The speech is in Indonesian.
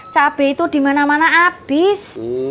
cabai itu dimana mana habis